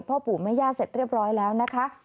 พ่อปู่แม่ย่าเสร็จเรียบร้อยแล้วนะคะ